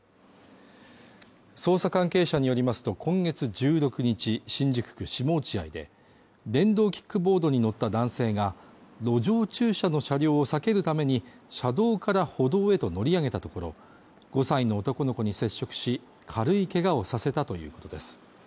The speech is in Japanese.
捜査関係者によりますと今月１６日、新宿区下落合で電動キックボードに乗った男性が、路上駐車の車両を避けるために、車道から歩道へと乗り上げたところ、５歳の男の子に接触し、軽いけがをさせたということです。